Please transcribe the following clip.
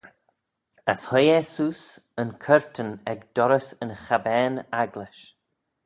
As hoie eh seose yn curtan ec dorrys y chabbane agglish.